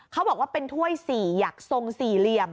เขาบอกว่าเป็นถ้วย๔อยากทรงสี่เหลี่ยม